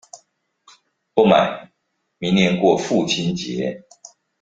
不買，明年過父親節